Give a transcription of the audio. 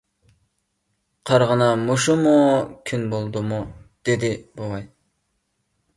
— قارىغىنا، مۇشۇمۇ كۈن بولدىمۇ؟ — دېدى بوۋاي.